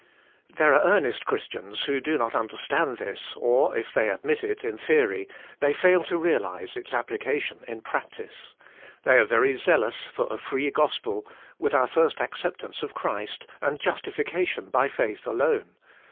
There are earnest Christians who do not understand this; or, if they admit it in theory, they fail to real ize its application in practice. They are very zealous for a free gospel, with our first acceptance of Christ, and justification by faith alone.